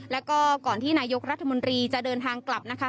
แล้วก็ก่อนที่นายกรัฐมนตรีจะเดินทางกลับนะคะ